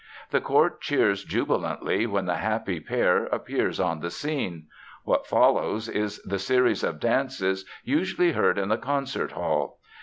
The court cheers jubilantly when the happy pair appears on the scene. What follows is the series of dances usually heard in the concert hall.